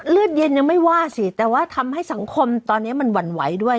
เลือดเย็นยังไม่ว่าสิแต่ว่าทำให้สังคมตอนนี้มันหวั่นไหวด้วย